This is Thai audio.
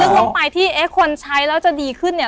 แต่ลึกลงไปที่คนใช้แล้วจะดีขึ้นเนี่ย